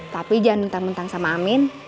tapi jangan mentang mentang sama amin